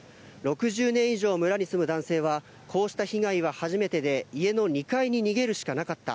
６０年以上村に住む男性は、こうした被害は初めてで、家の２階に逃げるしかなかった。